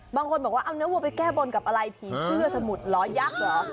บางคนบอกว่าเอาเนื้อวัวไปแก้บนกับอะไรผีเสื้อสมุดล้อยักษ์เหรอ